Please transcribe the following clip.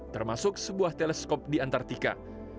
termasuk sebuah teleskop di antartika